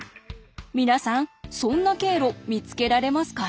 皆さんそんな経路見つけられますか？